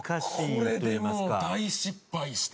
これでもう大失敗して。